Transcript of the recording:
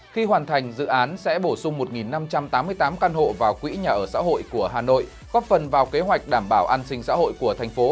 khi hoàn thành dự án sẽ bổ sung một năm trăm tám mươi tám căn hộ vào quỹ nhà ở xã hội của hà nội góp phần vào kế hoạch đảm bảo an sinh xã hội của thành phố